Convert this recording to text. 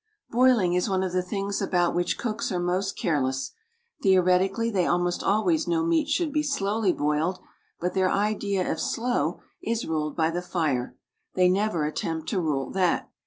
BOILING is one of the things about which cooks are most careless; theoretically they almost always know meat should be slowly boiled, but their idea of "slow" is ruled by the fire; they never attempt to rule that.